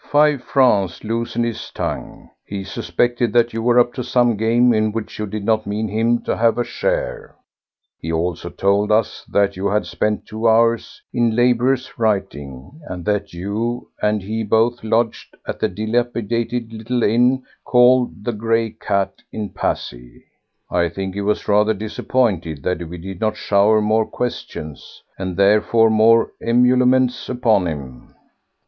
Five francs loosened his tongue: he suspected that you were up to some game in which you did not mean him to have a share; he also told us that you had spent two hours in laborious writing, and that you and he both lodged at a dilapidated little inn, called the 'Grey Cat,' in Passy. I think he was rather disappointed that we did not shower more questions, and therefore more emoluments, upon him.